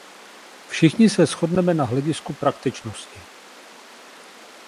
Všichni se shodneme na hledisku praktičnosti.